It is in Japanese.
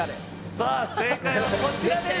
さあ正解はこちらです